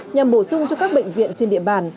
nhằm bổ sung cho các bệnh viện trên địa bàn